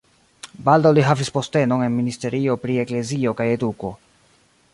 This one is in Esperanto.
Baldaŭ li havis postenon en ministerio pri eklezio kaj eduko.